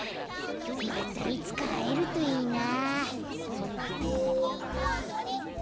またいつかはえるといいな。